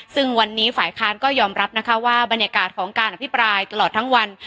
ซึ่งวันนี้ฝ่ายค้านก็ยอมรับนะคะว่าบรรยากาศของการอภิปรายตลอดทั้งวัน